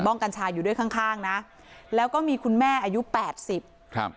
กัญชาอยู่ด้วยข้างข้างนะแล้วก็มีคุณแม่อายุแปดสิบครับ